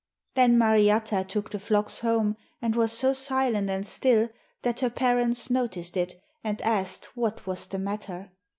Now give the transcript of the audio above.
Then Mariatta took the flocks home and was so silent and still that her parents noticed it and asked her what was the matter.